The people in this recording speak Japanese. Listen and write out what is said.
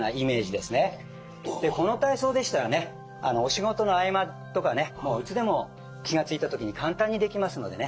でこの体操でしたらねお仕事の合間とかねもういつでも気が付いた時に簡単にできますのでね。